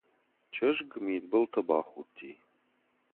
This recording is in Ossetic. Чызг мидбылты бахудти.